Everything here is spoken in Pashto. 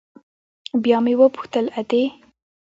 بيا مې وپوښتل ادې.